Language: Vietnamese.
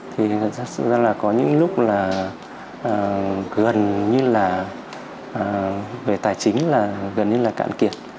thì thật sự ra là có những lúc là gần như là về tài chính là gần như là cạn kiệt